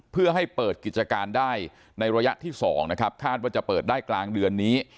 เพื่อให้เปิดกิจการได้ในระยะที่๒นะครับคาดว่าจะเปิดได้กลางเดือนนี้